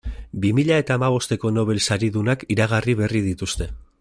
Bi mila eta hamabosteko Nobel saridunak iragarri berri dituzte.